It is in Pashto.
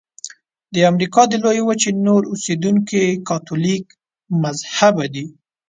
د امریکا د لویې وچې نور اوسیدونکي کاتولیک مذهبه دي.